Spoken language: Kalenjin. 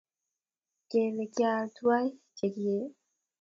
Kele kial tuwai che kiee?